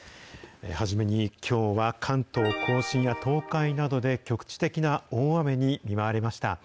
はじめにきょうは関東甲信や東海などで、局地的な大雨に見舞われました。